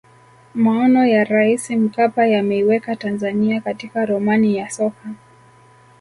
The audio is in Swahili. maono ya raisi mkapa yameiweka tanzania katika ramani ya soka